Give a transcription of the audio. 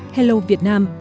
hello việt nam